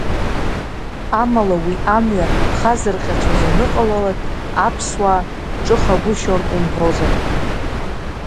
Амала уи амҩа хазырҟьацәоз аныҟалалак, аԥсуаа ҿыхагәышьон умҳәозар.